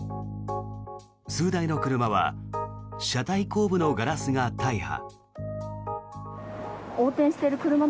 数台の車は車体後部のガラスが大破。